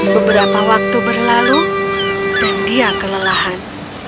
beberapa waktu berlalu dan dia kelelahan